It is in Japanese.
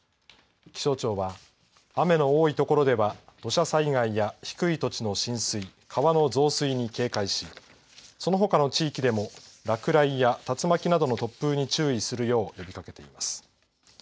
気象庁は雨の多い所では土砂災害や低い土地の浸水川の増水に警戒しそのほかの地域でも落雷や竜巻などの突風に注意するよう呼びかけています。